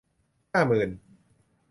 ห้าหมื่น